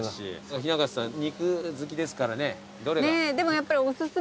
雛形さん肉好きですからねどれが？